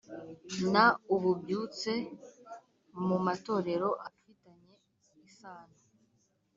n ububyutse mu matorero afitanye isano